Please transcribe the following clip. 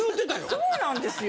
そうなんですよ。